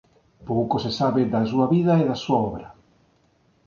Pouco se sabe da súa vida e da súa obra.